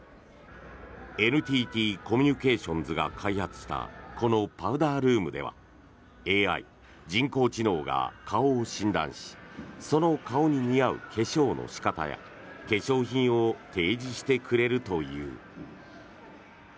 ＮＴＴコミュニケーションズが開発したこのパウダールームではＡＩ・人工知能が顔を診断しその顔に似合う化粧の仕方や化粧品を提示してくれるという。